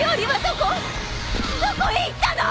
どこへ行ったの！？